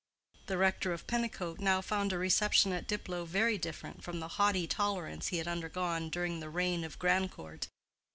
The rector of Pennicote now found a reception at Diplow very different from the haughty tolerance he had undergone during the reign of Grandcourt.